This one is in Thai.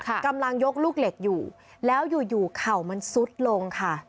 กำลังยกลูกเหล็กอยู่แล้วอยู่อยู่เข่ามันซุดลงค่ะ